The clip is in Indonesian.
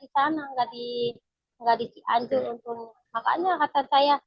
di sana enggak di enggak di anjung untuk makanya katanya